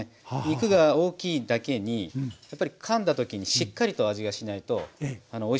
肉が大きいだけにやっぱりかんだ時にしっかりと味がしないとおいしくないですよね。